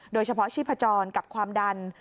โดยเฉพาะชีพจรกับความดัน